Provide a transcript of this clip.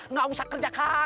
nggak usah kerja kang